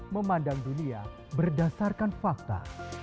memandang dunia berdasarkan fakta